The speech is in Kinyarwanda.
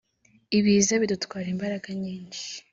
Ibiza bidutwara imbaraga nyinshi